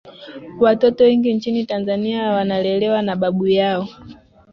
watoto wengi nchini tanzania wanalelewa na babu yao